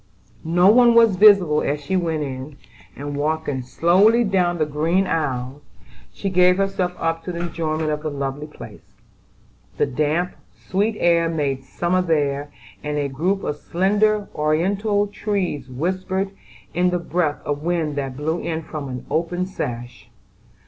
No one was visible as she went in, and walking slowly down the green aisle, she gave herself up to the enjoyment of the lovely place. The damp, sweet air made summer there, and a group of slender, oriental trees whispered in the breath of wind that blew in from an open sash.